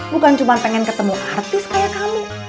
bukan cuma pengen ketemu artis kayak kamu